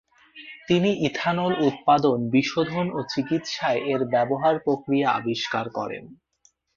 তিনি ইথানল উৎপাদন, বিশোধন, ও চিকিৎসায় এর ব্যবহার প্রক্রিয়া আবিষ্কার করেন।